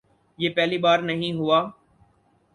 یہ پہلی بار نہیں ہوا۔